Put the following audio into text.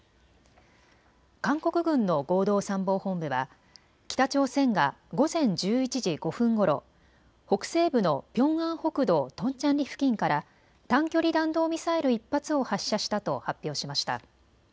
韓国軍の合同参謀本部は北朝鮮が午前１１時５分ごろ、北西部のピョンアン北道トンチャンリ付近から短距離弾道ミサイル１発を発射したと発表しました。